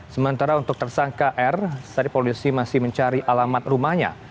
sementara untuk tersangka r polisi masih mencari alamat rumahnya